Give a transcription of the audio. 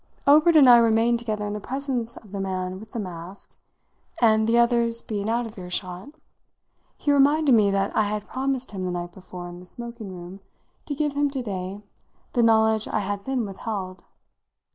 Obert and I remained together in the presence of the Man with the Mask, and, the others being out of earshot, he reminded me that I had promised him the night before in the smoking room to give him to day the knowledge I had then withheld.